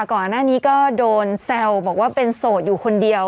ก่อนหน้านี้ก็โดนแซวบอกว่าเป็นโสดอยู่คนเดียว